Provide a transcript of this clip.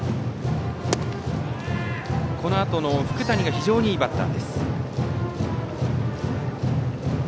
このあとの福谷が非常にいいバッターです。